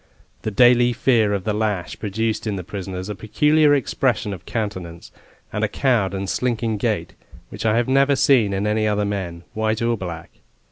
The daily fear of the lash produced in the prisoners a peculiar expression of countenance, and a cowed and slinking gait, which I have never seen in any other men, white or black.